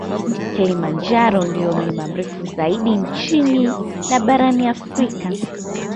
Kilimanjaro ndio mlima mrefu zaidi nchini na barani Afrika